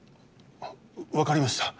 分かりました。